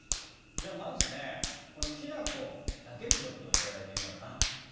じゃあまずねこのきな粉だけでちょっといただいてみようかな。